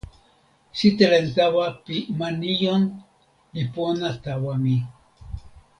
sitelen tawa pi ma Nijon li pona tawa mi.